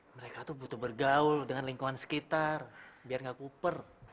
mereka tuh butuh bergaul dengan lingkungan sekitar biar nggak kuper